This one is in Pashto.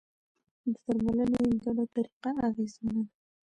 د درملنې ګډه طریقه اغېزمنه ده.